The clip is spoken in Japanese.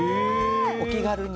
お気軽に。